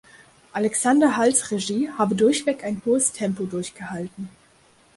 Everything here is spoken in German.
Alexander Halls Regie habe durchweg ein „hohes Tempo“ durchgehalten.